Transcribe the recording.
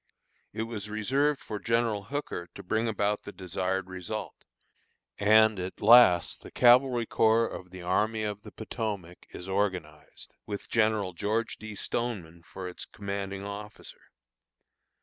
It was reserved for General Hooker to bring about the desired result; and, at last, the Cavalry Corps of the Army of the Potomac is organized, with General George D. Stoneman for its commanding officer.